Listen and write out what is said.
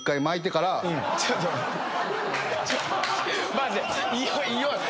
マジで。